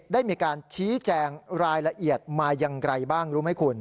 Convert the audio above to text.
ได้มีการชี้แจงรายละเอียดมาอย่างไรบ้างรู้ไหมคุณ